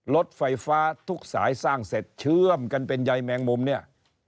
รถไฟฟ้าทุกสายสร้างเสร็จเชื่อมกันเป็นใยแมงมุมเนี่ย